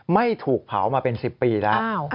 ไม่ถูกเผามาเป็น๑๐ปีแล้ว